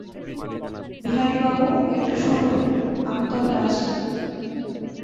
বিহারীবাবু একটু সরুন, আমি তবে আসি।